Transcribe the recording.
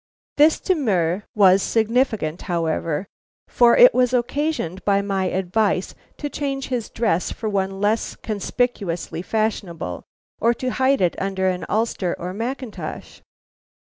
This demur was significant, however, for it was occasioned by my advice to change his dress for one less conspicuously fashionable, or to hide it under an ulster or mackintosh.